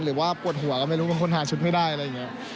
หรือว่าปวดหัวก็ไม่รู้บางคนหาชุดไม่ได้อะไรอย่างนี้